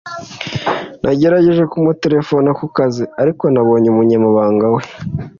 Nagerageje kumuterefona ku kazi, ariko nabonye umunyamabanga we